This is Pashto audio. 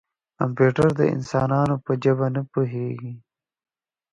کمپیوټر د انسانانو ژبه نه پوهېږي.